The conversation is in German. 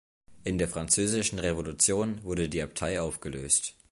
In der Französischen Revolution wurde die Abtei aufgelöst.